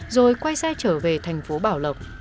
rồi quay xe trở về thành phố bảo lộc